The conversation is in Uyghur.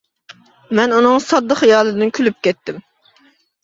مەن ئۇنىڭ ساددا خىيالىدىن كۈلۈپ كەتتىم.